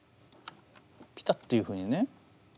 ぴたっというふうにね。